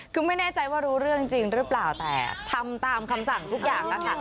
คือไม่แน่ใจว่ารู้เรื่องจริงหรือเปล่าแต่ทำตามคำสั่งทุกอย่างค่ะ